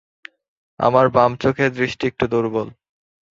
আমার বাম চোখের দৃষ্টি একটু দুর্বল।